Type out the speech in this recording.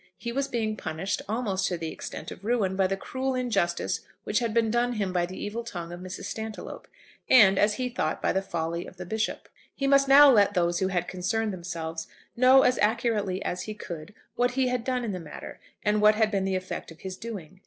He was being punished almost to the extent of ruin by the cruel injustice which had been done him by the evil tongue of Mrs. Stantiloup, and, as he thought, by the folly of the Bishop. He must now let those who had concerned themselves know as accurately as he could what he had done in the matter, and what had been the effect of his doing.